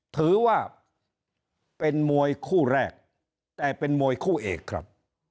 ถือว่าเป็นมวยคู่แรกแต่เป็นมวยคู่เอกครับ